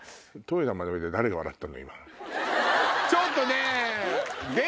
ちょっとねぇ！